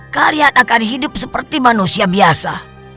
kalian akan hidup seperti manusia biasa